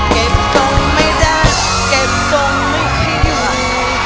เก็บส่งไม่ได้เก็บส่งไม่คิดไหว